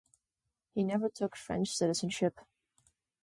He never took French citizenship.